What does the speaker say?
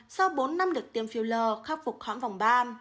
sau bốn năm được tiêm filler khắc phục khóm vòng ba